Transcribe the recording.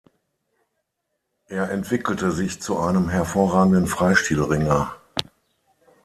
Er entwickelte sich zu einem hervorragenden Freistilringer.